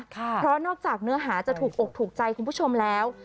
เพราะนอกจากเนื้อหาจะถูกอกถูกใจคุณผู้ชมแล้ว